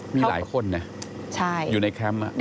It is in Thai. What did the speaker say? มีหลายคนใช่มั้ยอยู่ในแคมป์ในปีนเฮ่ย